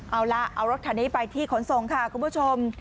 เอาล่ะเอารถคันนี้ไปที่ขนส่งค่ะคุณผู้ชม